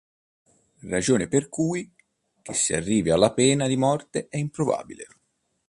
Ragione per cui che si arrivi alla pena di morte è improbabile.